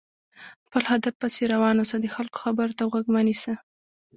خپل هدف پسې روان اوسه، د خلکو خبرو ته غوږ مه نيسه!